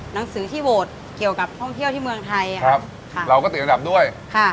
หนังสือที่โหวตเกี่ยวกับท่องเที่ยวที่เมืองไทยอ่ะครับค่ะเราก็ติดอันดับด้วยค่ะ